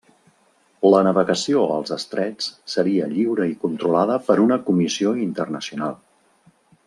La navegació als Estrets seria lliure i controlada per una comissió internacional.